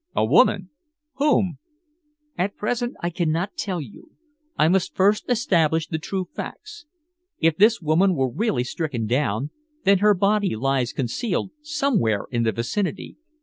"A woman! Whom?" "At present I cannot tell you. I must first establish the true facts. If this woman were really stricken down, then her body lies concealed somewhere in the vicinity.